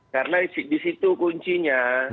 karena di situ kuncinya